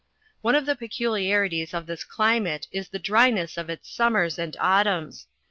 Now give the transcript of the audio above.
"One of the peculiarities of this climate is the dryness of its summers and autumns.